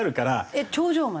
えっ頂上まで？